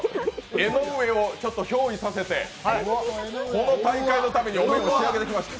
江上をひょう依させて、この大会のためにお面を仕上げてきました。